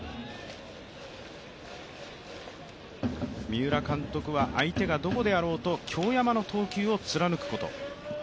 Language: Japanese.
三浦監督は、相手がどこであろうと京山の投球を貫くこと。